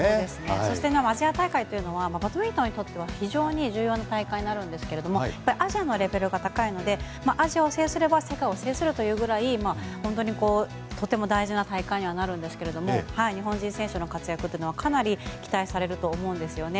そしてアジア大会というのはバドミントンにとっては非常に重要な大会になるんですけれどもアジアのレベルが高いのでアジアを制すれば世界を制するというぐらいとても大事な大会にはなるんですけれども日本人選手の活躍ってのはかなり期待されると思うんですよね。